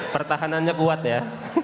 pertahanannya buat ya